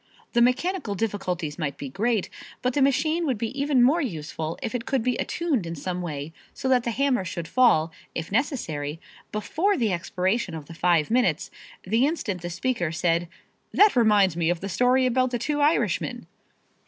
The mechanical difficulties might be great, but the machine would be even more useful if it could be attuned in some way so that the hammer should fall, if necessary, before the expiration of the five minutes, the instant the speaker said, "That reminds me of the story about the two Irishmen."